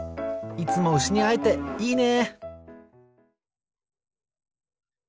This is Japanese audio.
いつもウシにあえていいね。